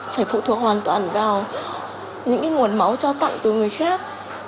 phải phụ thuộc hoàn toàn vào những nguồn máu cho tặng từ người khác